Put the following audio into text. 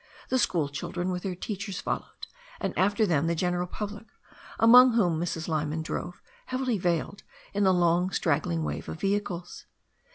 The school children with their teachers followed, and after them the general public, among whom Mrs. Lyman drove, heavily veiled, in a long, straggling wave of vehicles.